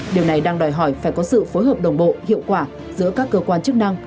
điều này đang đòi hỏi phải có sự phối hợp đồng bộ hiệu quả giữa các cơ quan chức năng